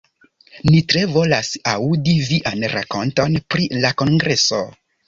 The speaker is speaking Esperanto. Ni tre volas aŭdi vian rakonton pri la kongreso.